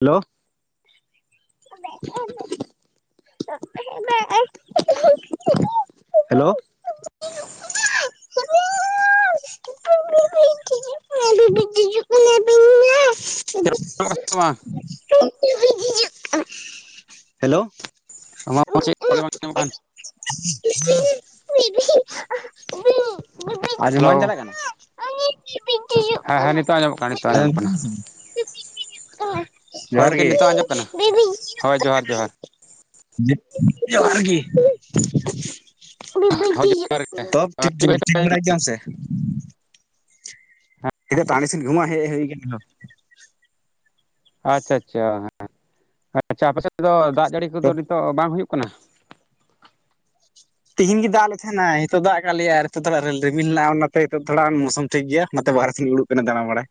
Hello? Hello [unintelligible] ᱞ [unintelligible] ᱥ [unintelligible] [unintelligible] hello ᱟᱢᱟᱜ ᱪᱮᱫ ᱵᱧᱟᱢᱚ ᱠᱟᱱ ᱟᱡᱚᱢ ᱵᱟᱝ ᱪᱟᱞᱟᱜ ᱠᱟᱱᱟ? [unintelligible] ᱦᱮᱸ ᱦᱮᱸ ᱱᱤᱛᱚᱜ ᱟᱸᱡᱚᱢᱚᱜ ᱠᱟᱱᱟ ᱱᱤᱛᱚᱜ ᱟᱸᱡᱚᱢᱚᱜ ᱠᱟᱱᱟ ᱦᱳᱭ ᱡᱚᱦᱟᱨ ᱜᱚᱢᱠᱮ ᱜᱮ ᱱᱤᱛᱚᱜ ᱟᱸᱡᱚᱢᱚᱜ ᱠᱟᱱᱟ ᱦᱳᱭ ᱡᱚᱦᱟᱨ ᱡᱚᱦᱟᱨ [unintelligible] ᱡᱚᱦᱟᱨ ᱜᱤ [unintelligible] ᱦᱳᱭ ᱡᱚᱦᱟᱨ ᱜᱮ ᱛᱚᱵ ᱴᱷᱤᱠ ᱴᱷᱤᱠ ᱵᱟᱲᱟᱭ ᱜᱮᱭᱟᱢ ᱥᱮ? [unintelligible] ᱴᱟᱺᱰᱤ ᱥᱮᱱ ᱜᱩᱢᱟᱜ ᱦᱮᱡ ᱦᱩᱭ ᱠᱟᱱᱟ ᱛᱚ ᱟᱪᱷᱟ ᱟᱪᱷᱟ ᱦᱮᱸ ᱟᱪᱷᱟ ᱟᱯ ᱥᱮᱫ ᱫᱚ ᱫᱟᱜ ᱡᱟᱹᱲᱤ ᱠᱚᱫᱚ ᱱᱤᱛᱚᱜ ᱵᱟᱝ ᱦᱩᱭᱩᱜ ᱠᱟᱱᱟ? ᱠᱟᱱᱟ ᱛᱤᱦᱤᱧ ᱜᱤ ᱫᱟᱜ ᱞᱮ ᱛᱟᱦᱮᱸᱱᱟᱭ ᱱᱤᱛᱚᱜ ᱫᱟᱜ ᱟᱠᱟ ᱞᱮᱭᱟ ᱱᱤᱛᱚᱜ ᱛᱷᱟ ᱨᱮᱹ ᱨᱤᱢᱤᱞ ᱦᱮᱱᱟᱜ ᱚᱱᱟᱛᱮ ᱤᱛᱚᱜ ᱛᱷᱚᱲᱟ ᱢᱳᱥᱳᱢ ᱴᱷᱤᱠ ᱜᱮᱭᱟ ᱵᱟᱦᱨᱮ ᱥᱮᱧ ᱩᱩᱲᱩᱵ ᱠᱟᱱᱟ ᱫᱟᱬᱟ ᱵᱟᱲᱟᱭ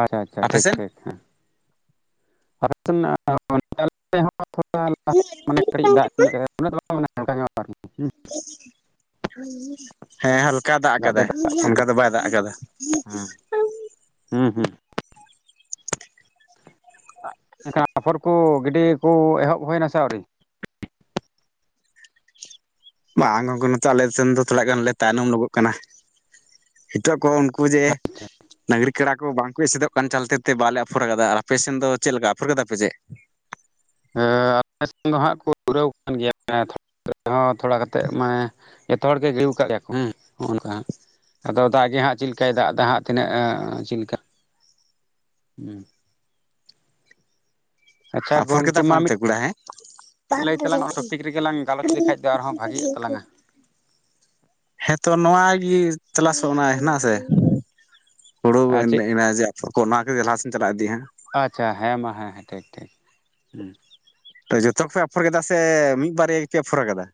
ᱟᱪᱷᱟ ᱟᱪᱷᱟ ᱟᱯᱮ ᱴᱷᱤᱠ ᱥᱮᱱ ᱴᱷᱤᱠ ᱦᱮᱸ ᱚᱲ ᱠᱟᱹᱤᱡ ᱫᱟᱜ [unintelligible] ᱢᱤᱫᱽ ᱦᱮᱸ ᱦᱟᱞᱠᱟ ᱫᱟᱜ ᱫᱚᱭ ᱠᱟᱫᱟᱭ ᱠᱮᱫ ᱚᱱᱠᱟ ᱜᱮ ᱫᱚ ᱵᱟᱭ ᱫᱟᱜ ᱠᱟᱫᱟ ᱦᱮᱸ ᱮᱸᱧ ᱦᱩᱸ ᱦᱩᱸ ᱮᱱᱠᱷᱟᱱ ᱟᱯᱷᱚᱨ ᱠᱚ ᱜᱤᱰᱤ ᱠᱚ ᱮᱦᱚᱵ ᱦᱩᱭᱮᱱᱟ ᱥᱮ ᱟᱹᱣᱨᱤ? ᱵᱟ ᱟᱝᱳᱜᱳ ᱱᱤᱛᱚ ᱟᱞᱮ ᱥᱮᱸᱱ ᱫᱚ ᱛᱷᱚᱲᱟ ᱜᱟᱱ ᱞᱮ ᱛᱟᱸᱭᱱᱚᱢ ᱱᱚᱜᱚᱜ ᱠᱟᱱᱟ ᱱᱤᱛᱚᱜ ᱠᱚ ᱩᱱᱠᱩ ᱡᱮ ᱟᱪᱪᱷᱟ ᱰᱟ. ᱝᱨᱤ ᱠᱟᱲᱟ ᱠᱚ ᱵᱟᱝ ᱠᱚ ᱮᱥᱮᱫᱚᱜ ᱠᱟᱱ ᱪᱟᱞᱛᱮ ᱛᱮ ᱵᱟᱞᱮ ᱟᱯᱷᱚᱨ ᱟᱠᱟᱫᱟ ᱟᱨ ᱟᱯᱮ ᱥᱮᱮᱫ ᱫᱚ ᱪᱮᱫ ᱞᱮᱠᱟ ᱟᱯᱷᱚᱨ ᱠᱟᱫᱟ ᱯ ᱪᱮᱫ [inaudible] ᱟᱞᱮ ᱥᱮᱱ ᱫᱚ ᱦᱟᱸᱜ ᱠᱚ ᱯᱩᱨᱟᱹᱣ ᱟᱠᱟᱱ ᱜᱮᱭᱟ ᱦᱚᱸ ᱛᱷᱚᱲᱟ ᱠᱟᱛᱮᱫ ᱢᱟᱱᱮ ᱡᱚᱛᱚ ᱦᱚᱲ ᱜᱮᱮ ᱡᱤᱨᱣ ᱟᱠᱟᱫ ᱜᱮᱭᱟ ᱠᱚ ᱦᱚᱸᱜᱼᱝᱠᱟ ᱟᱫᱚ ᱫᱟᱜ ᱜᱮ ᱦᱟᱸᱜ ᱪᱮᱫ ᱞᱮᱠᱟᱭ ᱫᱟᱜ ᱮ ᱦᱜ ᱛᱤᱱᱟᱹᱜ ᱪᱮᱫ ᱞᱮᱠᱟ ᱦᱮᱸ ᱟᱪᱷᱟ ᱟᱯᱷᱚᱨ ᱜᱚᱢᱠᱮ ᱠᱮᱫᱟ ᱯᱮ ᱢᱟ ᱚᱱᱛᱮ ᱢᱤᱫ [unintelligible] ᱞᱟᱹᱭ ᱛᱟᱞᱟᱝ ᱚᱱᱟ ᱴᱚᱯᱤᱠ ᱨᱮᱜᱮ ᱞᱟᱝ ᱜᱟᱞᱚᱪ ᱞᱮᱠᱷᱟᱡ ᱫᱚ ᱟᱨᱦᱚᱸ ᱵᱷᱟᱜᱤᱜ ᱛᱟᱞᱟᱝᱟ ᱦᱮᱸᱛᱚ ᱱᱚᱶᱟ ᱜᱮ ᱛᱚᱞᱟᱥᱚᱜ ᱠᱟᱱᱟ ᱦᱮᱱᱟᱜ ᱥᱮ? ᱟᱨ ᱪᱮᱫ ᱦᱩᱲᱩᱮᱡ ᱡᱮ ᱠᱚ ᱚᱱᱟ ᱠᱚ ᱞᱟᱦᱟᱥᱧ ᱪᱟᱞᱟᱜ ᱤᱫᱤᱜᱼᱟ ᱟᱪᱪᱷᱟ ᱦᱮᱸ ᱢᱟ ᱦᱮᱸ ᱦᱮᱸ ᱴᱷᱤᱠ ᱴᱷᱤᱠ ᱦᱮᱸ ᱡᱚᱛᱚ ᱜᱮᱯᱮ ᱟᱯᱷᱚᱨ ᱠᱮᱫᱟ ᱥᱮ ᱢᱤᱫ ᱵᱟᱨᱭᱟ ᱜᱮᱯᱮ ᱟᱯᱷᱚᱨ ᱠᱟᱫᱟ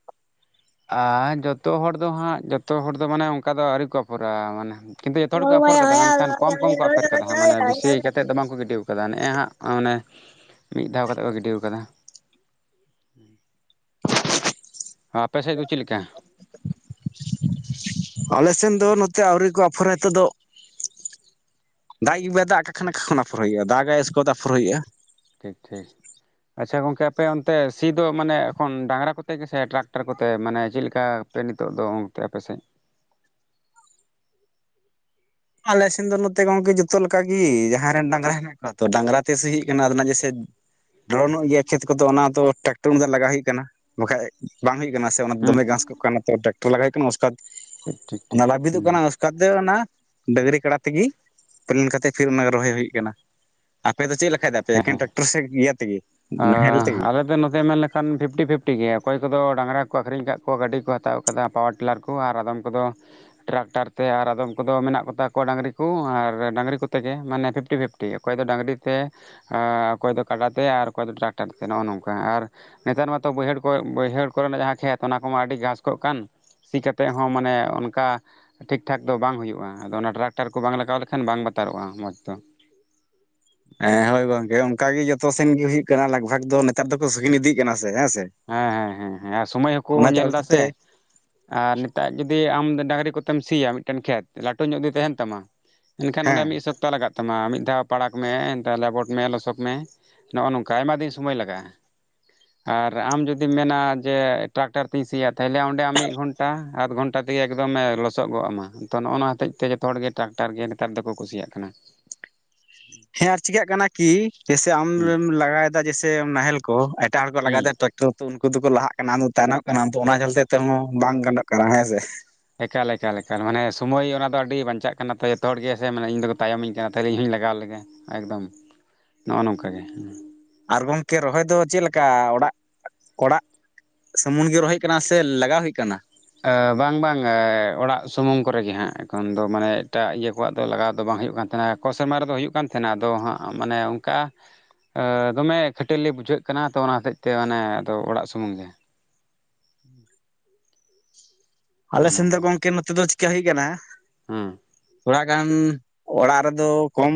ᱟᱨ ᱡᱚᱛᱚ ᱦᱚᱲ ᱫᱚ ᱦᱟᱸᱜ ᱡᱚᱛᱚ ᱦᱚᱲ ᱫᱚ ᱢᱟᱱᱮ ᱚᱱᱠᱟ ᱫᱚ ᱟᱹᱣᱨᱤ ᱠᱚ ᱯᱩᱨᱟ ᱢᱟᱱᱮ ᱠᱤᱱᱛᱩ ᱡᱚᱛᱚ ᱦᱚᱲ ᱠᱚ ᱟᱯᱷᱮᱨ ᱠᱟᱫᱟ ᱢᱮᱱᱠᱷᱟᱱ ᱠᱚᱢ ᱠᱚᱢ ᱠᱚ ᱟᱯᱷᱮᱨ ᱟᱠᱟᱫᱟ ᱦᱟᱜ ᱢᱟᱱᱮ ᱵᱤᱥᱤ ᱠᱟᱛᱮᱫ ᱫᱚ ᱵᱟᱝᱠᱚ ᱜᱤᱰᱤ ᱟᱠᱟᱫᱟ ᱱᱮᱜᱼᱮ ᱦᱟᱸᱜ ᱢᱟᱱᱮ ᱢᱤᱫ ᱫᱷᱟᱣ ᱠᱟᱛᱮ ᱠᱚ ᱜᱤᱰᱤ ᱟᱠᱟᱫᱟ ᱟ ᱯᱟᱥᱮᱡ ᱠᱚ ᱪᱮᱫ ᱞᱮᱠᱟ? ᱱᱚᱛᱮ ᱫᱚ ᱱᱚᱛᱮ ᱟᱹᱣᱨᱤ ᱠᱚ ᱟᱯᱷᱚᱨ ᱱᱤᱛᱚᱜ ᱫᱚ ᱫᱟᱜ ᱜᱮ ᱵᱟᱭ ᱫᱟᱜ ᱠᱷᱟᱱ ᱚᱠᱟ ᱠᱷᱚᱱ ᱟᱯᱷᱚᱨ ᱦᱩᱭᱩᱜᱼᱟ ᱫᱟᱜ ᱮᱥᱠᱚᱫ ᱟᱯᱷᱚᱨ ᱦᱩᱭᱩᱜᱼᱟ ᱴᱷᱤᱠ ᱴᱷᱤᱠ ᱟᱪᱷᱟ ᱜᱚᱝᱠᱮ ᱟᱯᱮ ᱚᱱᱛᱮ ᱥᱤᱤᱫ ᱫᱚ ᱢᱟᱱᱮ ᱮᱠᱷᱚᱱ ᱰᱟᱝᱨᱟ ᱠᱚᱛᱮ ᱜᱮᱥᱮ ᱴᱨᱟᱠᱴᱟᱨ ᱠᱚᱛᱮ ᱢᱟᱱᱮ ᱪᱮᱫᱞᱮᱠᱟ? ᱟᱯᱮ ᱱᱤᱛᱚᱜ ᱫᱚ ᱜᱚᱝᱠᱮ ᱟᱯᱮᱥᱮᱫ [inaudible] ᱟᱞᱮ ᱥᱮᱱ ᱫᱚ ᱱᱚᱛᱮ ᱜᱚᱝᱠᱮ ᱡᱚᱛᱚ ᱞᱮᱠᱟᱜᱮ ᱡᱟᱦᱟᱸᱭ ᱨᱮᱱ ᱰᱟᱝᱨᱟ ᱦᱮᱱᱟᱜ ᱠᱚᱣᱟ ᱛᱚ ᱰᱟᱝᱨᱟ ᱛᱮ ᱥ ᱦ ᱠᱟᱱᱟ ᱟᱱᱟᱜ ᱡᱮᱭᱥᱮ ᱰᱨᱳᱚᱱᱚᱜ ᱜᱮᱭᱟ ᱠᱷᱮᱛ ᱠᱚᱫᱚ ᱚᱱᱟ ᱫᱚ ᱴᱨᱟᱠᱴᱚᱨ ᱢ ᱞᱟᱜᱟᱣ ᱦᱩᱭᱩᱜ ᱠᱟᱱᱟ ᱵᱟᱠᱷᱟᱡ ᱵᱟᱝ ᱦᱩᱭᱩᱜ ᱠᱟᱱᱟ ᱥᱮ ᱚᱱᱟ ᱦᱩᱸ ᱫᱚᱢᱮ ᱜᱷᱟᱥᱚᱜ ᱠᱟᱱᱟ ᱴᱨᱟᱠᱴᱚᱨ ᱞᱟᱜᱟᱣ ᱦᱩᱭᱩᱜ ᱠᱟᱱᱟ ᱚᱥᱠᱟᱫ ᱴᱷᱤᱠ ᱴᱷᱤᱠ ᱚᱱᱟ ᱴᱷᱤᱠ ᱞᱵᱤᱫᱚᱜ ᱦᱩᱸ ᱠᱟᱱᱟ ᱩᱥᱠᱟᱫᱽᱛᱮ ᱚᱱᱟ ᱰᱟᱹᱝᱨᱤ ᱠᱟᱰᱟ ᱛᱮᱜᱮ ᱯᱟ. ᱞᱮᱱ ᱠᱟᱛᱮᱫ ᱯᱷᱤᱨ ᱚᱱᱟ ᱨᱚᱦᱚᱭ ᱦᱩᱭᱩᱜ ᱠᱟᱱᱟ ᱟᱯᱮ ᱫᱚ ᱪᱮᱫ ᱞᱮᱠᱟᱭ ᱫᱟᱯᱮ ᱦᱮᱸ ᱦᱮᱸ ᱮᱠᱮᱱ ᱴᱨᱟᱠᱴᱚᱨ ᱥᱮᱫ ᱤᱭᱟᱹ ᱛᱮᱜᱮ? ᱱᱟᱦᱮᱞ ᱛᱮᱜᱮ ᱟᱞᱮ ᱫᱚ ᱱᱚᱛᱮ ᱢᱮᱱ ᱞᱮᱠᱷᱟᱱ ᱯᱷᱤᱯᱴᱤ ᱯᱷᱤᱯᱴᱤ ᱜᱮ ᱚᱠᱚᱭ ᱠᱚᱫᱚ ᱰᱟᱝᱨᱟ ᱠᱚ ᱟᱹᱷᱠᱷᱨᱤᱧ ᱠᱫ ᱠᱚᱣᱟ ᱜᱟᱹᱰᱤ ᱠᱚ ᱦᱟᱛᱟᱣ ᱟᱠᱟᱫᱟ ᱯᱟᱣᱟᱨ ᱴᱤᱞᱟᱨ ᱠᱚ ᱟᱨ ᱟᱫᱚᱢ ᱠᱚᱫᱚ ᱴᱨᱟᱠᱴᱟᱨ ᱛᱮ ᱟᱨ ᱟᱫᱚᱢ ᱠᱚᱫᱚ ᱢᱮᱱᱟᱜ ᱠᱚᱛᱟ ᱠᱚᱣᱟ ᱰᱟᱹᱟᱝᱨᱤ ᱠᱚ ᱟᱨ ᱰᱟᱹᱝᱨᱤ ᱠᱚᱛᱮᱜᱮ ᱢᱟᱱᱮ ᱯᱷᱤᱯᱴᱤ ᱯᱷᱤᱯᱴᱤ ᱚᱠᱚᱭ ᱫᱚ ᱰᱟᱹᱝᱨᱤ ᱛᱮ ᱚᱠᱚᱭ ᱫᱚ ᱠᱟᱰᱟ ᱛᱮ ᱟᱨ ᱚᱭ ᱫᱚ ᱴᱨᱟᱠᱴᱟᱨ ᱛᱮ ᱱᱚᱜᱼᱚ ᱱᱚᱝᱠᱟ ᱟᱨ ᱱᱮᱛᱟᱨ ᱢᱟᱛᱚ ᱵᱟᱹᱭᱦᱟᱹᱲ ᱠᱚ ᱵᱟᱹᱭᱦᱟᱹᱲ ᱠᱚᱨᱮᱱᱟᱜ ᱡᱟᱦᱟᱸ ᱠᱷᱮᱛ ᱚᱱᱟ ᱠᱚᱢᱟ ᱟᱹᱰᱤ ᱜᱷᱟᱥ ᱠᱚ ᱠᱟᱱ ᱥᱤ ᱠᱟᱛᱮᱫ ᱦᱚᱸ ᱢᱟᱱᱮ ᱚᱱᱠᱟ ᱴᱷᱤᱠ ᱴᱷᱟᱠ ᱫᱚ ᱵᱟᱝ ᱦᱩᱭᱩᱜᱼᱟ ᱟᱫᱚ ᱚᱱᱟ ᱴᱨᱟᱠᱴᱟᱨ ᱠᱚ ᱵᱟᱝ ᱞᱟᱜᱟᱣ ᱞᱮᱠᱷᱟᱱ ᱵᱟᱝ ᱵᱟᱛᱚᱜᱼᱟ ᱦᱟᱛᱟᱨᱚᱜᱼᱟ ᱢᱚᱸᱡᱽ ᱫᱚ ᱦᱮᱸ ᱦᱳᱭ ᱜᱚᱝᱠᱮ ᱚᱱᱠ ᱜᱮ ᱡᱚᱛᱚ ᱥᱮᱱ ᱜᱮ ᱦᱩᱭᱩᱜ ᱠᱟᱱᱟ ᱞᱟᱜᱽ ᱵᱷᱟᱜᱽ ᱫᱚ ᱱᱮᱛᱟᱨ ᱫᱚᱠᱚ ᱥᱜᱤᱱ ᱤᱫᱤᱜ ᱠᱟᱱᱟ᱾ ᱥᱮ ᱦᱮᱸ ᱥᱮ ᱦᱮᱸ ᱦᱮᱸ ᱦᱮᱸ ᱥᱚᱢᱚᱭ ᱦᱚᱸᱠᱚ ᱚᱱᱟ ᱧᱮᱞ ᱫᱟ ᱪᱟᱞᱛᱤ ᱥᱮ ᱛᱮ ᱟᱨ ᱱᱮᱛᱟᱨ ᱡᱩᱫᱤ ᱟᱢ ᱰᱟᱝᱨᱤ ᱠᱚᱛᱮ ᱠᱚᱢ ᱥᱤᱭᱟ ᱢᱤᱫᱴᱮᱱ ᱠᱷᱮᱛ ᱞᱟᱹᱴᱩ ᱧᱚᱜ ᱡᱩᱤ ᱛᱟᱦᱮᱱ ᱛᱟᱢᱟ ᱢᱮᱱᱱᱠᱷᱟᱱ ᱚᱸᱰᱮ ᱦᱮᱸ ᱢᱤᱫᱚᱯᱟᱦ ᱞᱟᱜ ᱛᱟᱢᱟ ᱱᱛᱮ ᱦᱚᱸ ᱯᱟᱲᱠ ᱢᱮ ᱮᱱᱛᱮ ᱞᱮᱵᱚᱴ ᱢᱮ ᱞᱚᱥᱚᱫ ᱢᱮ ᱱᱚᱜᱼᱚ ᱱᱚᱝᱠᱟ ᱟᱭᱢᱟ ᱫᱤᱱ ᱥᱚᱢᱚᱭ ᱞᱟᱜᱟᱜᱼᱟ ᱟᱨ ᱟᱨ ᱟᱢ ᱡᱩᱫᱤᱢ ᱢᱮᱱᱟ ᱡᱮ ᱴᱨᱟᱠᱴᱟᱨ ᱛᱤᱧ ᱥᱤᱭᱟ ᱛᱟᱦᱚᱞᱮ ᱚᱸᱰᱮ ᱟᱢ ᱢᱤᱫ ᱜᱷᱚᱱᱴᱟ ᱟᱫᱷ ᱜᱷᱚᱱᱴᱟ ᱛᱮᱜᱮ ᱮᱠᱫᱚᱢᱮ ᱞᱚᱥᱚᱜ ᱜᱚᱜ ᱟ ᱢᱟ ᱛ ᱱᱚᱜᱼᱚ ᱱᱚᱣᱟ ᱦᱚᱛᱮᱡ ᱛᱮ ᱡᱚᱛᱚ ᱦᱚᱲ ᱜᱮᱮ ᱴᱨᱟᱠᱴᱟᱨ ᱜᱮ ᱱᱮᱛᱟᱨ ᱫᱚᱠᱚ ᱠᱩᱥᱤᱭᱟᱜ ᱠᱟᱱᱟ᱾ ᱦᱮᱸ ᱟᱨ ᱪᱤᱠᱟᱹᱜ ᱠᱟᱱᱟ ᱠᱤ ᱡᱮᱭᱥᱮ ᱟᱢ ᱦᱩᱸ ᱞᱟᱜᱟᱭᱮᱫᱟ ᱡᱮᱭᱥᱮ ᱱᱟᱦᱮᱞ ᱠᱚ ᱮᱴᱟᱜ ᱦᱚᱲ ᱠᱚ ᱦᱩᱸ ᱞᱟᱜᱟᱭᱮᱫᱟ ᱴᱨᱟᱠᱴᱚᱨ ᱩᱱᱠᱩ ᱫᱚᱠᱚ ᱞᱟᱦᱟᱜ ᱠᱟᱱᱟᱫᱚ ᱛᱟᱭᱱᱚᱜ ᱠᱟᱱᱟ ᱚᱱᱟ ᱪᱚᱞᱛᱮ ᱛᱮᱦᱚᱸ ᱵᱟᱝ ᱜᱟᱱᱚᱜ ᱠᱟᱱᱟ ᱦᱮᱸ ᱥᱮ ᱮᱠᱟᱞᱠᱟᱞᱠᱟᱞ ᱢᱟᱱᱮ ᱥᱚᱢᱚᱭ ᱚᱱᱟ ᱫᱚ ᱟᱹᱰᱤ ᱵᱟᱧᱪᱟᱜ ᱠᱟᱱᱟ ᱛᱚ ᱡᱚᱛᱚ ᱦᱚᱲ ᱜᱮᱮ ᱥᱮ ᱢᱟᱱᱮ ᱤᱧᱫᱚᱠᱚ ᱛᱟᱭᱚᱢᱤᱧ ᱠᱟᱱᱟ ᱛᱟᱦᱚᱞᱮ ᱤᱧ ᱞᱮᱟᱜᱟᱣ ᱞᱮᱜᱮ ᱮᱠᱫᱚᱢ ᱱᱚᱜᱼᱚ ᱱᱚᱝᱠᱟᱜᱮ ᱟᱨ ᱜᱚᱢᱠᱮ ᱨᱚᱦᱚᱭ ᱫᱚ ᱪᱮᱫ ᱞᱮᱠᱟ ᱚᱲᱟᱜ ᱚᱲᱟᱜ ᱥᱩᱢᱩᱱ ᱜᱮ ᱨᱚᱦᱚᱭ ᱠᱟᱱᱟ ᱥᱮ ᱞᱟᱜᱟᱣ ᱦᱩᱭ ᱠᱟᱱᱟ ᱵᱟᱝ ᱵᱟᱝ ᱚᱲᱟᱜ ᱥᱩᱢᱩᱝ ᱠᱚᱨᱮᱜᱮ ᱦᱟᱸᱜ ᱮᱠᱷᱚᱱ ᱫᱚ ᱢᱟᱱᱮ ᱮᱴᱟᱜ ᱤᱭᱟᱹ ᱠᱚᱣᱟᱜ ᱫᱚ ᱞᱟᱜᱟᱣ ᱫᱚ ᱵᱟᱝ ᱦᱩᱭᱩᱜ ᱠᱟᱱ ᱛᱟᱦᱮᱱᱟ ᱠᱚ ᱥᱮᱨᱢᱟ ᱨᱮᱫᱚ ᱦᱩᱭᱩᱜ ᱠᱟᱱ ᱛᱟᱦᱮᱱᱟ ᱟᱫᱚ ᱦᱟᱸᱜ ᱢᱟᱱᱮ ᱚᱱᱠᱟ ᱫᱚᱢᱮ ᱠᱷᱟᱹᱴᱟᱹᱨ ᱵᱩᱡᱷᱟᱹᱜ ᱠᱟᱱᱟ ᱛᱚ ᱚᱱᱟ ᱦᱚᱛᱮᱡ ᱛᱮ ᱚᱲᱟᱜ ᱥᱩᱢᱩᱝ ᱜᱮ ᱟᱞᱮ ᱱᱚᱜᱼᱚ ᱥᱮᱱ ᱫᱚ ᱱᱚᱝᱠᱟ ᱜᱚᱝᱠᱮ ᱱᱚᱛᱮ ᱫᱚ ᱪᱤᱠᱠᱟ ᱦᱩᱭ ᱟᱠᱟᱱᱟ ᱦᱮᱸ ᱛᱷᱚᱲᱟ ᱜᱟᱱ ᱚᱲᱟᱜ ᱨᱮᱫᱚ ᱠᱚᱢ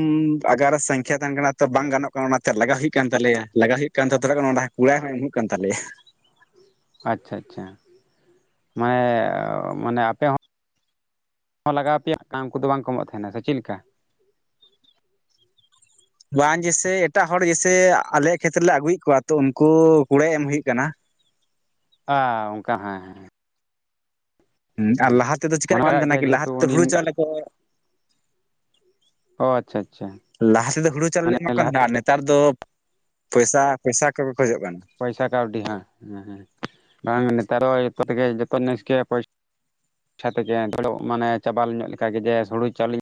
ᱟᱜᱟᱨ ᱥᱚᱝᱠᱷᱟ ᱛᱟᱦᱮᱱ ᱠᱟᱱᱟ ᱛᱚ ᱵᱟᱝ ᱜᱟᱱᱚᱜ ᱠᱟᱱᱟ ᱚᱱᱟᱛᱮ ᱞᱟᱜᱟᱣ ᱦᱩᱭᱩᱜ ᱠᱟᱱ ᱛᱟᱞᱮᱭᱟ᱾ ᱞᱟᱜ ᱦᱩᱭᱩᱜ ᱠᱟᱱ ᱛᱚᱲᱟᱟᱱ ᱠᱚᱲᱟ ᱦᱚᱸ ᱮᱢ ᱦᱩᱭᱩᱜ ᱠᱟᱱ ᱛᱟᱞᱮᱭᱟ᱾ ᱟᱪᱪᱷᱟ ᱟᱪᱪᱷᱟ ᱢᱟᱱᱮ ᱢᱟᱱᱮ ᱟᱯᱮ ᱦᱚᱸ ᱞᱟᱜᱟᱣ ᱟᱯᱮᱭᱟ ᱩᱱᱠᱩ ᱫᱚ ᱵᱟᱝ ᱠᱚ ᱮᱢᱚᱜ ᱛᱟᱦᱮᱱᱟ ᱥᱮ ᱪᱮᱫ ᱞᱮᱠᱟ? ᱻ [inaudible] ᱵᱟᱝ ᱡᱮᱥᱮ ᱮᱴᱟᱜ ᱦᱚᱲ ᱡᱮᱥᱥᱮ ᱟᱞᱮᱭᱟᱜ ᱠᱷᱮᱛᱨᱮᱞᱮ ᱟᱹᱜᱩᱭᱮᱫ ᱠᱚᱣᱟ ᱛᱚ ᱩᱱᱠᱩ ᱠᱩᱲᱟᱹᱭ ᱮᱢ ᱦᱩᱭᱩᱜ ᱠᱟᱱᱟ᱾ ᱻ [inaudible] ᱚ ᱚᱱᱠᱟ ᱦᱮᱸ ᱦᱮᱸ ᱦᱮᱸ ᱟᱨ ᱞᱟᱦᱟ ᱛᱮᱫᱚ ᱪᱮᱠᱟᱜ ᱚᱱᱟ ᱠᱟᱱ ᱠᱟᱜ ᱛᱟᱦᱮᱱᱟ ᱜᱮᱭᱟ ᱠᱤ ᱞᱟᱦᱟ ᱡᱮᱦᱮᱛᱩ ᱛᱮᱫᱚ ᱦᱩᱲᱩ ᱩᱱᱤᱢ ᱪᱟᱣᱞᱮ ᱠᱚ ᱚ ᱟᱪᱪᱷᱟ ᱟᱪᱪᱷᱟ ᱞᱟᱦᱟ ᱛᱮᱫᱚ ᱦᱩᱲᱩ ᱪᱟᱣᱞᱮ ᱢᱟᱱᱮ ᱮᱢᱟ ᱠᱟᱱ ᱞᱟᱦᱟ ᱛᱟᱦᱮᱱᱟ ᱱᱮᱛᱟᱨ ᱫᱚ ᱯᱚᱭᱥᱟ ᱯᱚᱭᱥᱟ ᱠᱚ ᱯᱚᱭᱥᱟ ᱠᱟᱹᱣᱰᱤ ᱦ ᱦᱮᱸ ᱦᱮᱸ ᱵᱟᱝ ᱱᱤᱛ ᱛᱚ ᱡᱚᱛᱚ ᱛᱮᱜᱮ ᱡᱚᱛᱚ ᱱᱮᱥ ᱜᱮ ᱟᱪᱷᱟ ᱛᱮᱜᱮ ᱫᱚᱜ ᱢᱟᱱᱮ ᱪᱟᱵᱟ ᱧᱚᱜ ᱠᱟᱱ ᱞᱮᱠᱟᱜᱮ ᱡᱮ ᱦᱩᱲᱩ ᱪᱟᱣᱞᱮ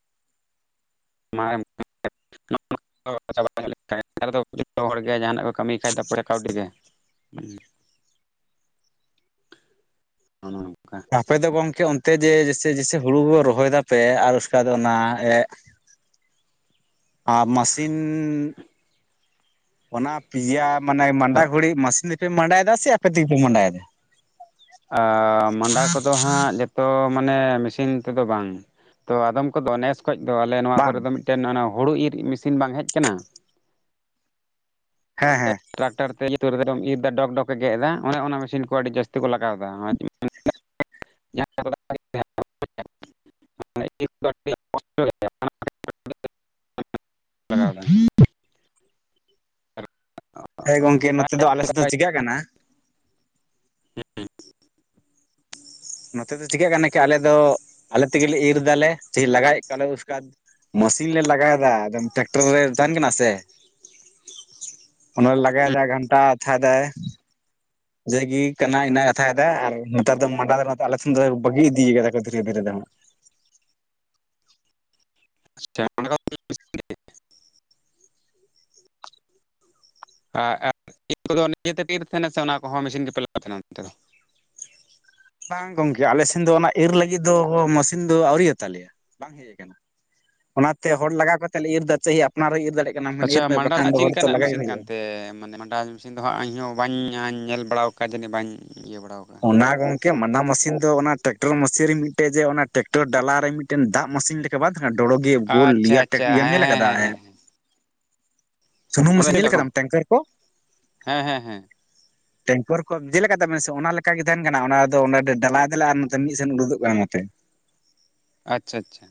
ᱡᱚᱛᱚ ᱦᱚᱲ ᱜᱮ ᱡᱟᱦᱟᱱᱟᱜ ᱠᱚ ᱠᱟᱹᱢᱤᱭ ᱠᱷᱟᱡ ᱫᱚ ᱯᱚᱨᱮ ᱠᱟᱹᱣᱰᱤ ᱜᱮ ᱦᱮᱸ ᱚᱱᱮ ᱚᱱᱠᱟ ᱟᱯᱮ ᱫᱚ ᱜᱚᱝᱠᱮ ᱚᱱᱛᱮ ᱡᱮ ᱡᱮᱭᱥᱮ ᱡᱮᱭᱥᱮ ᱦᱩᱲᱩ ᱠᱚ ᱨᱚᱦᱚᱭ ᱫᱟᱯᱮ ᱟᱨ ᱩᱥᱠᱟ ᱫᱚ ᱚᱱᱟ ᱟᱨ ᱢᱟᱥᱤᱱ ᱚᱱᱟ ᱯᱤᱭᱟ ᱢᱟᱱᱮ ᱢᱟᱰᱟ ᱜᱷᱚᱲᱤᱡ ᱢᱟᱥᱤᱱ ᱛᱮᱯᱮ ᱢᱟᱸᱰᱟᱭᱮᱫᱟ ᱥᱮ ᱟᱯᱮ ᱛᱮᱜᱮ ᱯᱮ ᱢᱟᱸᱰᱟᱭᱮᱫᱟ? ᱟ ᱢᱟᱸᱰᱟ ᱠᱚᱫᱚ ᱦᱟᱸᱜ ᱡᱚᱛᱚ ᱢᱟᱱᱮ ᱢᱮᱥᱤᱱ ᱛᱮᱫᱚ ᱵᱟᱝ ᱛᱚ ᱟᱫᱚᱢ ᱠᱚᱫᱚ ᱱᱮᱥ ᱠᱷᱚᱱ ᱫᱚ ᱟᱞᱮ ᱱᱚᱣᱟ ᱠᱚᱨᱮ ᱵᱟᱝ ᱫᱚ ᱢᱤᱫᱴᱮᱱ ᱦᱩᱲᱩ ᱤᱨ ᱢᱮᱥᱤᱱ ᱵᱟᱝ ᱦᱮᱡ ᱟᱠᱟᱱᱟ ᱦᱮᱸ ᱦᱮᱸ ᱴᱨᱟᱠᱴᱟᱨ ᱛᱮ ᱩᱛᱩᱨ ᱨᱮᱫᱚ ᱤᱨ ᱮᱫᱟ ᱰᱚᱜᱽ ᱰᱚᱜᱽ ᱮ ᱜᱮᱫ ᱮᱫᱟ ᱚᱱᱮ ᱚᱱᱟ ᱢᱮᱥᱤᱱ ᱠᱚ ᱟᱹᱰᱤ ᱡᱟᱹᱥᱛᱤ ᱠᱚ ᱞᱟᱜᱟᱣᱫᱟ᱾ ᱻ [inaudible] ᱻ [inaudible] ᱞᱟᱜᱟᱣ ᱦᱮᱸ ᱜᱚᱢᱠᱮ ᱱᱚᱛᱮ ᱫᱚ ᱟᱞᱮ ᱥᱮᱫ ᱫᱚ ᱪᱤᱠᱟᱹᱜ ᱠᱟᱱᱟ ᱱᱚᱛᱮ ᱫᱚ ᱪᱤᱠᱟᱹᱜ ᱠᱟᱱᱟ ᱠᱤ ᱟᱞᱮ ᱫᱚ ᱟᱞᱮ ᱛᱮᱜᱮᱞᱮ ᱤᱨ ᱫᱟᱞᱮ ᱞᱟᱜᱟᱭᱮᱫ ᱠᱚᱣᱟᱞᱮ ᱩᱥᱠᱟᱵᱟᱫ ᱢᱮᱥᱤᱱ ᱞᱮ ᱞᱟᱜᱟᱣᱮᱫᱟ ᱮᱠᱫᱚᱢ ᱴᱨᱟᱠᱴᱚᱨ ᱨᱮ ᱛᱟᱦᱮᱱ ᱠᱟᱱᱟ ᱥᱮ ᱚᱱᱟ ᱞᱟᱜᱟᱭᱮᱫᱟᱭ ᱜᱷᱟᱱᱴᱟ ᱟᱛᱷᱟᱫᱟᱭ ᱡᱮᱜᱮ ᱠᱟᱱᱟ ᱤᱱᱟᱹ ᱠᱟᱛᱷᱟᱭ ᱟᱨ ᱱᱮᱛᱟᱨ ᱫᱚ ᱢᱟᱰᱟ ᱫᱚ ᱟᱞᱮ ᱴᱷᱮᱱ ᱫᱚ ᱵᱟᱹᱜᱤ ᱤᱫᱤ ᱠᱟᱫᱟ ᱠᱚ ᱫᱷᱤᱨᱮ ᱫᱷᱤᱨᱮ ᱫᱚ [inaudible] [unintelligible] ᱟᱨ ᱤᱨ ᱠᱚᱫᱚ ᱱᱤᱡᱮ ᱛᱮᱯᱮ ᱤᱨ ᱛᱟᱦᱮᱱᱟ ᱥᱮ ᱚᱱᱟ ᱠᱚᱦᱚᱸ ᱢᱮᱥᱤᱱ ᱜᱮᱯᱮ ᱞᱟᱜᱟᱣ ᱛᱟᱦᱮᱱᱟ ᱚᱱᱛᱮ ᱫᱚ [inaudible] ᱵᱟᱝ ᱜᱚᱝᱠᱮ ᱟᱞᱮ ᱥᱮᱱ ᱫᱚ ᱚᱱᱟ ᱤᱨ ᱞᱟᱹᱜᱤᱫ ᱫᱚ ᱢᱮᱥᱤᱱ ᱫᱚ ᱟᱹᱣᱨᱤᱭᱟᱜ ᱛᱟᱞᱮᱭᱟ ᱵᱟᱝ ᱦᱮᱡ ᱟᱠᱟᱱᱟ᱾ ᱚᱱᱟᱛᱮ ᱦᱚᱲ ᱞᱟᱜᱟᱣ ᱠᱟᱛᱮᱫ ᱞᱮ ᱤᱨ ᱫᱟ ᱪᱟᱭ ᱟᱯᱱᱟᱨᱮ ᱤᱨ ᱫᱟᱲᱮᱭᱟᱜ ᱠᱟᱱᱟ ᱢᱮᱱ ᱤᱨ ᱟᱪᱪᱷᱟ ᱢᱮ ᱵᱟᱠᱷᱟᱱ ᱢᱟᱰᱟᱞᱟᱜ ᱫᱚ ᱪᱮᱫ ᱦᱚᱲ ᱛᱚ ᱞᱮᱠᱟᱱᱟᱜ ᱞᱟᱜᱟᱭ ᱢᱮᱥᱤᱱ ᱦᱩᱭᱩᱜᱼᱟ ᱠᱟᱱᱛᱮ ᱢᱟᱱᱮ ᱢᱟᱰᱟᱞ ᱢᱮᱥᱤᱱ ᱫᱚ ᱤᱧᱦᱚᱸᱵᱟᱹᱧ ᱧᱮᱞ ᱵᱟᱲᱟ ᱟᱠᱟᱫᱟ ᱚᱱᱠᱟ ᱡᱟᱹᱱᱤᱡ ᱵᱟᱹᱧ ᱤᱭᱟᱹ ᱵᱟᱲᱟ ᱟᱠᱟᱫᱟ ᱠᱮ ᱢᱟᱰᱟ ᱢᱮᱥᱤᱱ ᱫᱚ ᱚᱱᱟ ᱴᱮᱠᱴᱚᱨ ᱢᱥᱤᱱ ᱨᱮ ᱢᱤᱫᱴᱮᱡ ᱡᱮ ᱚᱱᱟ ᱴᱮᱠᱴᱚᱨ ᱰᱟᱞᱟ ᱨᱮ ᱢᱤᱫᱴᱮᱱ ᱫᱟᱜ ᱢᱮᱥᱤᱱ ᱞᱮᱠᱟ ᱵᱟᱫ ᱰᱚᱲᱚᱜᱮ ᱜᱳᱞ ᱟᱪᱪᱷᱟ ᱟᱪᱪᱷᱟ ᱤᱭᱟᱹᱢ ᱦᱮᱸ ᱧᱮᱞ ᱦᱮᱸ ᱠᱟᱫᱟ ᱦᱮᱸ ᱥᱩᱱᱩᱢ ᱢᱮᱥᱮᱱ ᱧᱮᱞ ᱦᱮᱸ ᱠᱟᱫᱟᱢ ᱴᱮᱝᱠᱟᱨ ᱠᱚ ᱦᱮᱸ ᱦᱮᱸ ᱦᱮᱸ ᱴᱮᱝᱠᱚᱨ ᱠᱚ ᱡᱮᱞᱮᱠᱟ ᱛᱥ ᱚᱱᱟᱠᱟᱜ ᱜᱮ ᱛᱟᱦᱮᱱ ᱠᱟᱱᱟ ᱚᱱᱟ ᱚᱸ ᱰᱟᱞᱟᱭ ᱫᱟᱞᱮ ᱟᱨ ᱱᱚᱛᱮ ᱢᱤᱫ ᱥᱮᱱ ᱩᱰᱩᱫᱚᱜ ᱠᱟᱱᱟ ᱱᱚᱛᱮ [inaudible] ᱟᱪᱪᱷᱟ ᱟᱪᱪᱷᱟ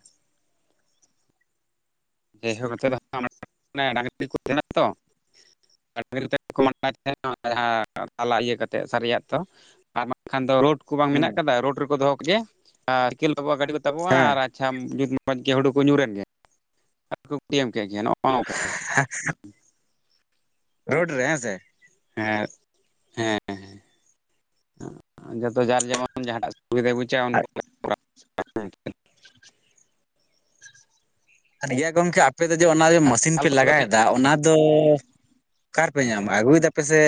ᱡᱮᱦᱳ ᱠᱟᱛᱮᱮᱫ ᱫᱚ ᱰᱟᱝᱨᱤ ᱠᱚ ᱛᱟᱦᱮᱱᱟ ᱛᱚ ᱰᱟᱝᱨᱤ ᱛᱮ ᱠᱚ ᱢᱟᱰᱟᱭ ᱛᱟᱦᱮᱫ ᱡᱟᱦᱟᱸ ᱛᱟᱞᱟ ᱤᱭᱟᱹ ᱠᱟᱛᱮ ᱥᱟᱹᱨᱤᱭᱟᱜ ᱛᱚ ᱟᱨ ᱵᱟᱝᱠᱷᱟᱱ ᱫᱚ ᱨᱳᱰ ᱵᱟᱝ ᱦᱩᱸ ᱢᱮᱱᱟᱜ ᱟᱠᱟᱫᱟ ᱨᱳᱰ ᱨᱮᱠᱚ ᱫᱚᱦᱚ ᱠᱮᱫᱮᱭᱟ ᱟᱨᱠᱮᱞ [unintelligible] ᱜᱟᱹᱰᱤ ᱠᱚ ᱛᱟᱵᱚᱜᱼᱟ ᱦᱮᱸ ᱟᱨ ᱟᱪᱪᱷᱟᱛ ᱚᱡᱽ ᱜᱮ ᱦᱩᱲᱩ ᱠᱚ ᱧᱩᱨᱮᱱ ᱜᱮ ᱟᱨᱠᱚ ᱮᱢ ᱠᱮᱫ ᱜᱮ ᱱᱚᱜᱼᱚ ᱱᱚᱝᱠᱟ ᱨᱳᱰ ᱨᱮ ᱦᱮᱸ ᱥᱮ ᱦᱮᱸ ᱦᱮᱸ ᱦᱮᱸ ᱡᱚᱛᱚ ᱡᱟᱨ ᱡᱮᱢᱚᱱ ᱡᱟᱦᱟᱸ ᱴᱟᱜ ᱥᱩᱵᱤᱫᱟᱭ ᱵᱩᱡᱷᱟᱹᱜᱣᱟ ᱩᱱᱠᱩ ᱟᱨ ᱤᱭᱟᱹ ᱜᱚᱢᱠᱮ ᱟᱯᱮ ᱫᱚ ᱡᱮ ᱚᱱᱟ ᱢᱮᱥᱤᱱ ᱯᱮ ᱞᱟᱜᱟᱭᱮᱫᱟ ᱚᱱᱟ ᱫᱚ ᱚᱠᱟᱨᱮ ᱯᱮ ᱧᱟᱢᱟ ᱟᱹᱜᱩᱭᱮᱫᱟᱯᱮ ᱥᱮ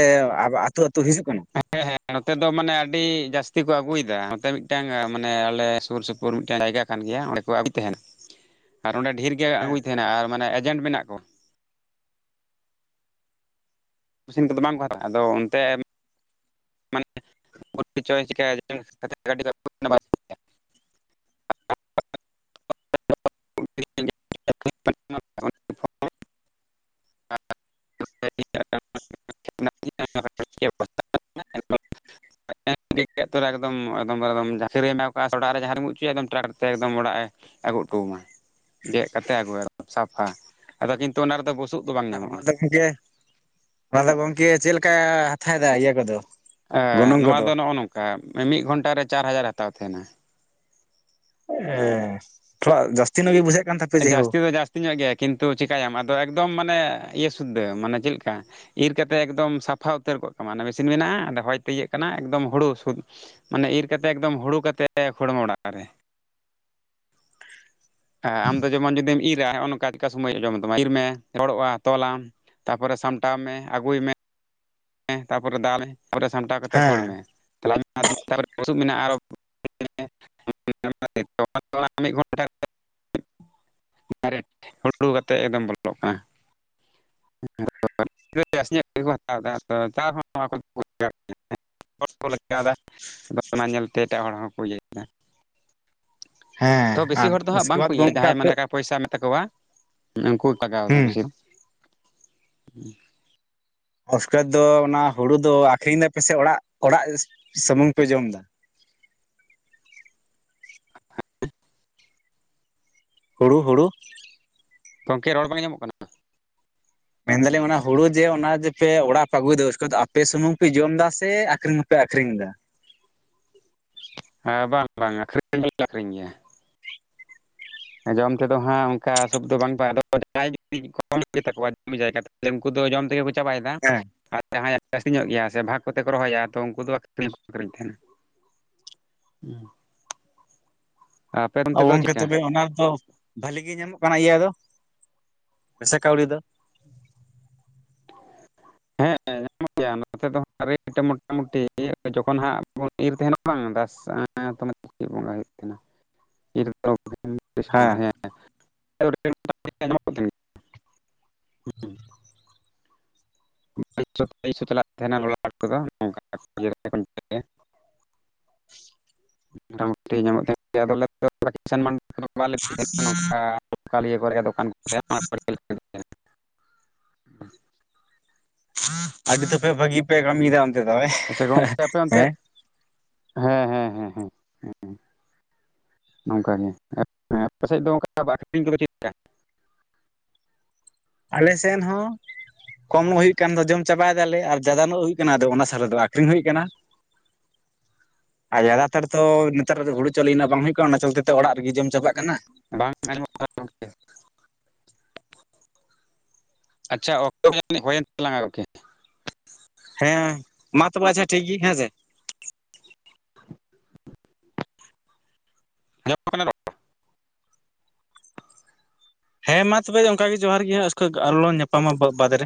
ᱟᱹᱛᱩ ᱟᱹᱛᱩ ᱦᱤᱡᱩᱜ ᱠᱟᱱᱟ ᱦᱮᱸ ᱦᱮᱸ ᱱᱚᱛᱮ ᱫᱚ ᱢᱟᱱᱮ ᱟᱹᱰᱤ ᱡᱟᱹᱥᱛᱤ ᱠᱚ ᱟᱹᱜᱩᱭᱮᱫᱟ ᱱᱚᱛᱮ ᱢᱤᱫᱴᱟᱝ ᱢᱟᱱᱮ ᱟᱞᱮ ᱥᱩᱨ ᱥᱩᱯᱩᱨ ᱢᱤᱫᱴᱟᱝ ᱡᱟᱭᱜᱟ ᱠᱟᱱ ᱜᱮᱭᱟ ᱚᱸᱰᱮ ᱠᱚ ᱟᱹᱜᱩᱭ ᱛᱟᱦᱮᱱᱟ᱾ [inaudible] ᱟᱨ ᱚᱸᱰᱮ ᱰᱷᱮᱨ ᱜᱮ ᱦᱮᱸ ᱟᱹᱜᱩᱭ ᱛᱟᱦᱮᱸᱱᱟ ᱟᱨ ᱢᱟᱱᱮ ᱮᱡᱮᱱᱴ ᱢᱮᱱᱟᱜ ᱠᱚ ᱢᱮᱥᱤᱱ ᱠᱚᱫᱚ ᱵᱟᱝᱠᱚ ᱦᱟᱛᱟᱜᱼᱟ ᱟᱫᱚ ᱚᱱᱛᱮ ᱢᱟᱱᱮ ᱪᱚᱭ [unintelligible] [inaudible] [unintelligible] [unintelligible] [unintelligible] [inaudible] [unintelligible] ᱚᱲᱟᱜ ᱨᱮ ᱡᱟᱦᱟᱸ ᱨᱮᱢ ᱩᱵ ᱚᱪᱚᱭᱟ ᱴᱨᱟᱠ ᱛᱮᱠ ᱚᱲᱟᱜ ᱮ ᱟᱹᱜᱩᱴᱚ ᱟᱢᱟ ᱜᱮᱫ ᱠᱟᱛᱮ ᱟᱹᱜᱩ ᱥᱟᱯᱷᱟ ᱟᱫᱚ ᱠᱤᱱᱛᱩ ᱚᱱᱟ ᱨᱮᱫᱫᱚ ᱵᱩᱥᱩᱵ ᱟ ᱚᱱᱟ ᱫᱚ ᱜᱚᱢᱠᱮ ᱚᱱᱟ ᱫᱚ ᱜᱚᱢᱠᱮ ᱪᱮᱫ ᱞᱮᱠᱟ ᱦᱟᱛᱟᱣᱮᱫᱟ ᱤᱭᱟᱹ ᱠᱚᱫᱚ ᱮ ᱜᱚᱱᱚᱝ ᱱᱚᱣᱟ ᱠᱚᱫᱚ ᱫᱚ ᱱᱚᱜᱼᱚ ᱱᱚᱝᱠᱟ ᱢᱤᱫ ᱜᱷᱚᱱᱴᱟᱮ ᱪᱟᱨ ᱦᱟᱡᱟᱨ ᱦᱟᱛᱟᱣ ᱛᱟᱦᱮᱱᱟ᱾ ᱛᱷᱚᱲ ᱡᱟᱹᱥᱛᱤ ᱱᱟ ᱜᱮ ᱵᱩᱡᱟ ᱡᱟᱹᱥᱛᱤ ᱫᱚ ᱡᱟᱹᱥᱛᱤ ᱧᱚᱜ ᱜᱮᱭᱟ ᱠᱤᱱᱛᱩ ᱪᱤᱠᱟᱹᱭᱟᱢ ᱟᱫᱚ ᱮᱠᱫᱚᱢ ᱢᱟᱱᱮ ᱤᱭᱟᱹ ᱥᱩᱫᱽᱫᱷ ᱢᱟᱱᱮ ᱪᱮᱫ ᱞᱮᱠᱟ ᱤᱨ ᱠᱟᱛᱮ ᱮᱠᱫᱚᱢ ᱥᱟᱯᱷᱟ ᱩᱛᱟᱹᱨ ᱠᱚᱜ ᱛᱟᱢᱟ ᱢᱮᱥᱤᱱ ᱢᱮᱱᱟᱜᱼᱟ ᱟᱫᱚ ᱦᱚᱭ ᱛᱮ ᱤᱭᱟᱹᱜ ᱠᱟᱱᱟ ᱮᱠᱫᱚᱢ ᱦᱩᱲᱩ ᱥᱩᱫᱽ ᱢᱟᱱᱮ ᱤᱨ ᱠᱟᱛᱮ ᱮᱠᱫᱚᱢ ᱦᱩᱲᱩ ᱠᱟᱛᱮᱫ [unintelligible] ᱚᱲᱟᱜ ᱨᱮ [inaudible] ᱦᱮᱸ ᱟᱢ ᱫᱚ ᱡᱮᱢᱚᱱ ᱡᱩᱫᱤᱢ ᱤᱨ ᱱᱚᱜᱼᱚ ᱱᱚᱝᱠᱟ ᱪᱮᱠᱟ ᱥᱚᱢᱚᱭ ᱡᱚᱢᱚᱜ ᱛᱟᱢᱟ ᱤᱨ ᱢᱮ ᱨᱚᱲᱚᱜᱼᱟ ᱛᱚᱞᱟᱢ ᱛᱟᱨᱯᱚᱨᱮ ᱥᱟᱢᱴᱟᱣ ᱢᱮ ᱟᱹᱜᱩᱭ ᱢᱮ ᱛᱟᱨᱯᱚᱨᱮ [unintelligible] ᱢᱮ ᱛᱟᱨᱯᱚᱨᱮ ᱥᱟᱢᱴᱟᱣ ᱠᱟᱛᱮ ᱠᱷᱚᱲ ᱦᱮᱸ ᱢᱮ ᱵᱩᱥᱩᱵ ᱢᱮᱱᱟᱜᱼᱟ ᱟᱨᱚ ᱢᱤᱫ ᱜᱷᱚᱱᱴᱟ ᱰᱟᱭᱨᱮᱴ ᱦᱩᱰᱩ ᱠᱟᱛᱮᱫ ᱮᱫᱚᱢ ᱵᱚᱞᱚᱜ ᱠᱟᱱᱟ᱾ ᱤᱱᱠᱟᱹ ᱡᱟᱹᱥᱛᱤ ᱧᱚᱜ ᱜᱮᱠᱚ ᱦᱟᱛᱟᱣᱫᱟ ᱦᱚᱸ [unintelligible] [unintelligible] ᱚᱱᱟ ᱧᱮᱞᱛᱮ ᱮᱴᱟᱜ ᱦᱚᱲ ᱦᱚᱸᱠᱚ ᱤᱭᱟᱹᱟ ᱦᱮᱸ ᱛᱚ ᱵᱮᱥᱤ ᱟᱨ ᱦᱚᱲ ᱫᱚ ᱦᱟᱜ ᱩᱥᱠᱮ ᱵᱟᱝ ᱠᱚ ᱵᱟᱫ ᱤᱭᱟ ᱜᱚᱢᱠᱮ ᱡᱟᱦᱟᱸᱭ ᱢᱟᱱᱮ ᱟᱯᱮ ᱴᱟᱠᱟ ᱯᱚᱭᱥᱟ ᱛᱟᱠᱚᱣᱟ ᱩᱱᱠᱩ ᱠᱚᱣᱟᱜ ᱜᱮ ᱦᱩᱸ ᱠᱤᱪᱷᱩ ᱚᱥᱠᱟᱨ ᱫᱚ ᱚᱱᱟ ᱦᱩᱲᱩ ᱫᱚ ᱟᱠᱷᱨᱤᱧ ᱫᱟᱯ ᱥᱮ ᱚᱲᱟᱜ ᱚᱲᱟᱜ ᱥᱩᱢᱩᱝ ᱯᱮ ᱡᱚᱢ ᱮᱫᱟ ᱦᱩᱲᱩ ᱦᱩᱲᱩ ᱜᱚᱢᱠᱮ ᱨᱚᱲ ᱵᱟᱝ ᱟᱸᱡᱚᱢᱚᱜ ᱠᱟᱱᱟ ᱢᱮᱱᱫᱟᱞᱤᱧ ᱚᱱᱟ ᱦᱩᱲᱩ ᱡᱮ ᱚᱱᱟ ᱡᱮ ᱯᱮ ᱚᱲᱟᱜ ᱯᱮ ᱟᱹᱜᱩᱭᱮᱫᱟ ᱩᱥᱠᱟ. ᱯᱮ ᱥᱩᱢᱩᱝ ᱯᱮ ᱡᱚᱢ ᱫᱟ ᱥᱮ ᱟᱹᱠᱷᱟᱨᱤᱧ ᱟᱯᱮ ᱟᱹᱠᱷᱨᱤᱧ ᱫᱟ ᱦᱮᱸ ᱵᱟᱝ ᱵᱟᱝ ᱟᱹᱠᱷᱨᱤᱧ ᱜᱮᱞᱮ ᱟᱠᱷᱨᱤᱧ ᱜᱮᱭᱟ ᱡᱚᱢ ᱛᱮᱫᱚ ᱦᱟᱸᱜ ᱚᱱᱠᱟ ᱥᱚᱵ ᱫᱚ ᱵᱟᱝ ᱪᱟᱜ ᱟ ᱟᱫᱚ ᱡᱟᱦᱟᱭ ᱡᱩᱫᱤ ᱠᱚᱢ ᱜᱮᱛᱟ ᱠᱚᱣᱟ ᱡᱚᱢᱤ ᱡᱟᱭᱜᱟ ᱛᱟᱦᱚᱞᱮ ᱩᱱᱠᱩ ᱫᱚ ᱡᱚᱢ ᱛᱮᱜᱮ ᱠᱚ ᱪᱟᱵᱟᱭᱮᱫᱟ ᱦᱮᱸ ᱟᱨ ᱟᱹᱠᱷᱨᱤᱧᱚᱜ ᱜᱮᱭᱟ ᱥᱮ ᱵᱷᱟᱜᱽ ᱠᱚᱛᱮ ᱠᱚ ᱨᱚᱦᱚᱭᱮᱫᱼᱟ ᱛᱚ ᱩᱱᱠᱩ ᱫᱚ ᱟᱹᱠᱷᱨᱤᱧ ᱦᱚ ᱠᱚ ᱟᱹᱠᱷᱨᱤᱧ ᱛᱟᱦᱮᱱᱟ ᱦᱮᱸ ᱜᱚᱝᱠᱮ ᱛᱚᱵᱮ ᱚᱱᱟ ᱫᱚ ᱵᱷᱟᱹᱞᱤ ᱜᱮ ᱧᱟᱢᱚᱜ ᱠᱟᱱᱟ ᱤᱭᱟᱹ ᱫᱚ ᱯᱚᱭᱥᱟ ᱠᱟᱹᱣᱰᱤ ᱫᱚ ᱦᱮᱸᱮᱸ [unintelligible] ᱱᱚᱛᱮ ᱫᱚ ᱦᱟᱜ ᱨᱮᱴ ᱢᱚᱴᱟᱢᱩᱴᱤ ᱡᱚᱠᱷᱚᱱ ᱦᱟᱸᱜ ᱵᱚᱱ ᱤᱨ ᱛᱟᱦᱮᱱᱟ ᱵᱟᱝ ᱦᱮᱸ [unintelligible] [unintelligible] ᱵᱟᱭᱤᱥᱚ ᱵᱟᱭᱤᱥᱚᱟᱛᱟᱦᱮᱱᱟ ᱚᱫᱚ ᱱᱚᱝᱠᱟ [unintelligible] ᱵᱟᱞᱮ ᱱᱚᱝᱠᱟ ᱞᱠᱟᱞᱤᱭᱟᱹ ᱠᱚᱨᱮ ᱫᱚᱠᱟᱱ ᱠᱚ ᱦ ᱟᱹᱰᱤ ᱛᱯᱮ ᱵᱷᱟᱹᱜᱤ ᱯᱮ ᱠᱟᱹᱢᱤᱭᱮᱫᱟ ᱚᱱᱛᱮ ᱫᱚ ᱟᱪᱪᱷᱟ ᱜᱚᱝᱠᱮ ᱟᱯᱮ ᱚᱱᱛᱮ ᱦᱮᱸ ᱦᱮᱸ ᱦᱮᱸ ᱦᱮᱸ ᱦᱮᱸ ᱦᱮᱸ ᱱᱚᱝᱠ ᱜᱮᱮ ᱟᱯᱮ ᱥᱮᱫ ᱫᱚ ᱚᱱᱠᱟᱠᱷᱨᱤᱧ ᱠᱚᱫᱚ. ᱴ!... ᱟᱞᱮ ᱥᱮᱱ ᱦᱚᱸ ᱠᱚᱢ ᱧᱚᱜ ᱦᱩᱭᱩᱜ ᱠᱟᱱ ᱫᱚ ᱡᱚᱢ ᱪᱟᱵᱟᱭᱮᱫᱟᱞᱮ ᱟᱨ ᱡᱟᱫᱟ ᱧᱚᱜ ᱦᱩᱭᱩᱜ ᱠᱟᱱᱟ ᱟᱫᱚ ᱚᱱᱟ ᱥᱟᱨ ᱨᱮ ᱫᱚ ᱟᱠᱷᱨᱤᱧ ᱦᱩᱭᱩᱜ ᱠᱟᱱᱟ ᱟᱨ ᱡᱟᱫᱟ ᱛᱟᱨ ᱛᱚ ᱱᱮᱛᱟᱨ ᱫᱚ ᱦᱩᱲᱩ ᱪᱟᱣᱞᱮᱱᱟ ᱵᱟᱝ ᱦᱩᱭᱩᱜᱜ ᱚᱱᱟ ᱪᱚᱞᱛᱮᱚ ᱚᱲᱟᱜ ᱨᱮᱜᱮ ᱡᱚᱢ ᱪᱟᱵᱟᱜ ᱠᱟᱱᱟ ᱵᱟᱝ ᱟᱸᱡᱚᱢᱚᱜ ᱠᱟᱱᱟ ᱜᱚᱢᱠᱮ ᱟᱪᱪᱷᱟ ᱚᱠᱛᱚ ᱡᱟ. ᱱᱤᱡ ᱡᱳᱭᱮᱱ ᱛᱟᱞᱟᱝ ᱟ ᱜᱚᱢᱠᱮ ᱦᱮᱸ ᱢᱟ ᱛᱚᱵᱮ ᱟᱪᱪᱷᱟ ᱴᱷᱤᱠᱜᱮ ᱦᱮᱸᱥᱮ ᱟᱸᱡᱚᱢᱚᱜ ᱠᱟᱱᱟ ᱨᱚᱲ ᱦᱮᱸ ᱢᱟ ᱛᱚᱵᱮ ᱚᱱᱠᱮ ᱡᱚᱦᱟᱨ ᱜᱮ ᱟᱥᱠᱟᱹ ᱟᱨᱦᱚ ᱞᱟᱝ ᱧᱟᱯᱟᱢᱟ ᱵᱟᱫᱽ ᱨᱮ